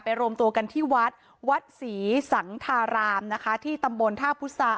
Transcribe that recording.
รวมตัวกันที่วัดวัดศรีสังธารามนะคะที่ตำบลท่าพุษา